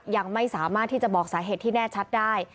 ยังไม่สามารถที่จะบอกสาเหตุที่แน่ชัดได้